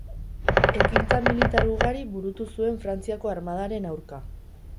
Ekintza militar ugari burutu zuen Frantziako armadaren aurka.